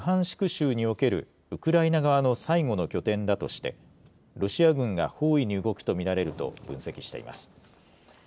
州におけるウクライナ側の最後の拠点だとしてロシア軍が包囲に動くと見られると分析しています。